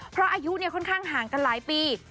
เพราะอายุค่อนข้างห่างกันหลายปี